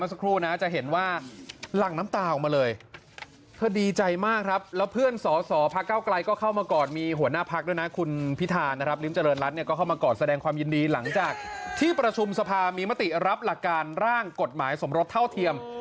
สักครู่นะจะเห็นว่าหลั่งน้ำตาออกมาเลยเธอดีใจมากครับแล้วเพื่อนสอสอพักเก้าไกลก็เข้ามาก่อนมีหัวหน้าพักด้วยนะคุณพิธานะครับริมเจริญรัฐเนี่ยก็เข้ามากอดแสดงความยินดีหลังจากที่ประชุมสภามีมติรับหลักการร่างกฎหมายสมรสเท่าเทียม